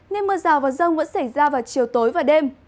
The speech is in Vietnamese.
nên mưa rào và rông vẫn xảy ra vào chiều tối và đêm